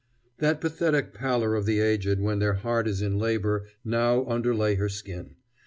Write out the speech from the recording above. That pathetic pallor of the aged when their heart is in labor now underlay her skin.